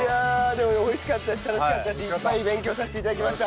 でも美味しかったし楽しかったしいっぱい勉強させて頂きました。